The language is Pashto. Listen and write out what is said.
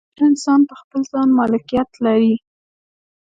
هر انسان پر خپل ځان مالکیت لري.